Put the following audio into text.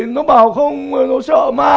nó bảo không nó sợ ma